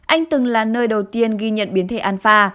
anh từng là nơi đầu tiên ghi nhận biến thể anfa